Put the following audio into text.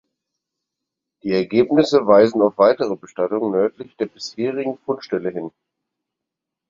Die Ergebnisse weisen auf weitere Bestattungen nördlich der bisherigen Fundstelle hin.